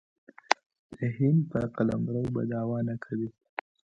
د هند په قلمرو به دعوه نه کوي.